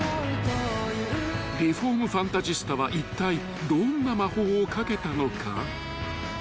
［リフォームファンタジスタはいったいどんな魔法をかけたのか］